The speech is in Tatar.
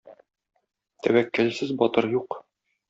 Тәвәккәлсез батыр юк.